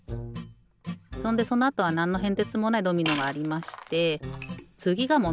そんでそのあとはなんのへんてつもないドミノがありましてつぎがもんだいですよ。